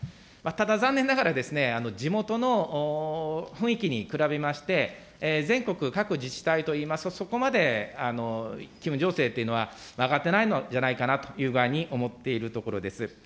ただ残念ながら、地元の雰囲気に比べまして、全国各自治体といいますと、そこまで機運醸成というのは上がってないのじゃないかなと思っているところです。